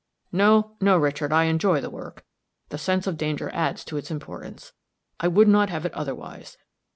No, no, Richard; I enjoy the work the sense of danger adds to its importance. I would not have it otherwise.